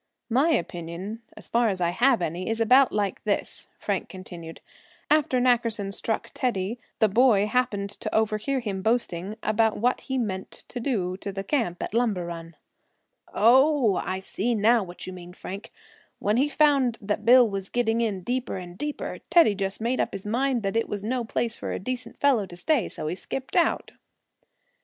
"My opinion, as far as I have any, is about like this," Frank continued. "After Nackerson struck Teddy the boy happened to overhear him boasting about what he meant to do to the camp at Lumber Run." "Oh! I see now what you mean, Frank; when he found that Bill was getting in deeper and deeper, Teddy just made up his mind that was no place for a decent fellow to stay, and so he skipped out."